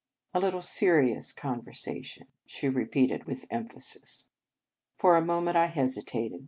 "A little serious conversation," she repeated with emphasis. For a moment I hesitated.